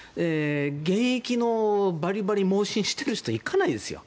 現役のバリバリ妄信している人は行かないですよ。